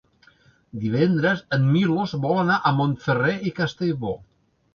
Divendres en Milos vol anar a Montferrer i Castellbò.